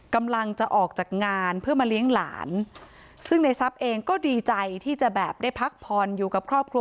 กำลังจะออกจากงานเพื่อมาเลี้ยงหลานซึ่งในทรัพย์เองก็ดีใจที่จะแบบได้พักผ่อนอยู่กับครอบครัว